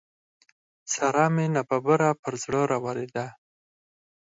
سارا مې ناببره پر زړه را واورېده.